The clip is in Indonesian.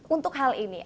untuk hal ini